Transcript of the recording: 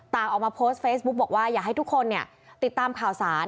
ออกมาโพสต์เฟซบุ๊กบอกว่าอยากให้ทุกคนเนี่ยติดตามข่าวสาร